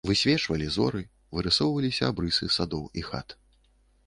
Высвечвалі зоры, вырысоўваліся абрысы садоў і хат.